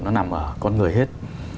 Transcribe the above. nó nằm ở con người hết